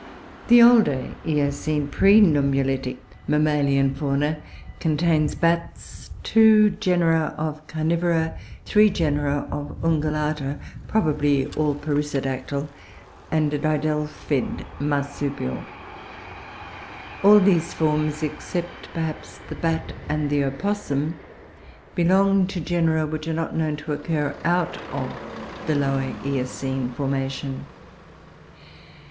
The Older Eocene pre nummulitic mammalian Fauna contains Bats, two genera of Carivora, three genera of Ungulata (probably all perissodactyle), and a didelphid Marsupial; all these forms, except perhaps the Bat and the Opossum, belong to genera which are not known to occur out of the Lower Eocene formation.